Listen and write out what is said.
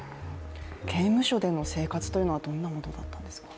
刑務所での生活というのはどんなものだったんですか？